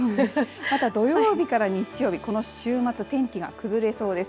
土曜日から日曜日の週末、天気が崩れそうです。